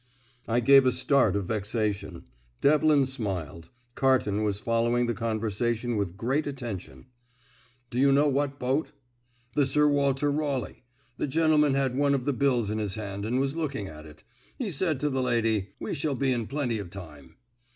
I gave a start of vexation; Devlin smiled; Carton was following the conversation with great attention. "Do you know what boat?" "The Sir Walter Raleigh. The gentleman had one of the bills in his hand, and was looking at it. He said to the lady, 'We shall be in plenty of time.'"